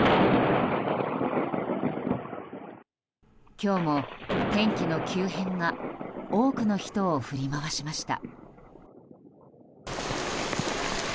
今日も天気の急変が多くの人を振り回しました。